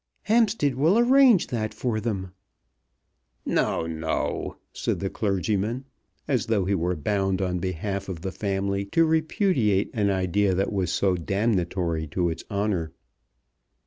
"Hampstead will arrange that for them." "No, no!" said the clergyman, as though he were bound on behalf of the family to repudiate an idea that was so damnatory to its honour.